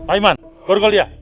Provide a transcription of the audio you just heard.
aiman bawa dia